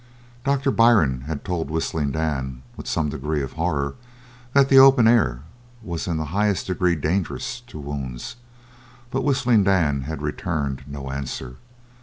Doctor Byrne had told Whistling Dan, with some degree of horror, that the open air was in the highest degree dangerous to wounds, but Whistling Dan had returned no answer.